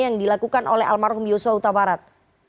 yang dilakukan oleh almarhum yosua utabarat